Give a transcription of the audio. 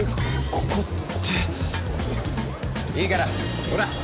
ここっていいからほら！